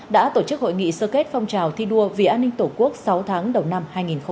đã tổ chức hội nghị sơ kết phong trào thi đua vì an ninh tổ quốc sáu tháng đầu năm hai nghìn hai mươi